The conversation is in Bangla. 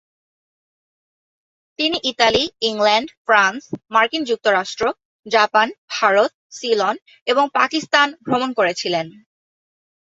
তিনি ইতালি, ইংল্যান্ড, ফ্রান্স, মার্কিন যুক্তরাষ্ট্র, জাপান, ভারত, সিলন এবং পাকিস্তান ভ্রমণ করেছিলেন।